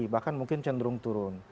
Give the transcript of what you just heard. bahkan mungkin cenderung turun